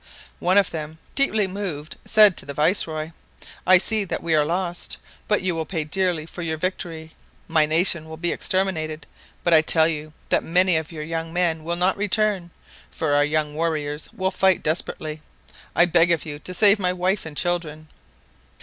One of them, deeply moved, said to the viceroy: 'I see that we are lost, but you will pay dearly for your victory; my nation will be exterminated, but I tell you that many of your young men will not return, for our young warriors will fight desperately. I beg of you to save my wife and children.'